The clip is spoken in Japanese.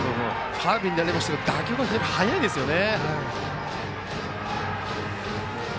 ファウルになりましたが打球が速いですね。